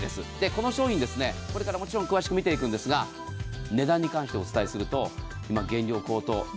この商品これからもちろん詳しく見ていくんですが値段に関してお伝えすると今、原料高騰。